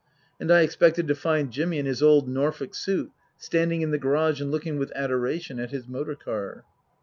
And I expected to find Jimmy in his old Norfolk suit standing in the garage and looking with adoration at his motor car.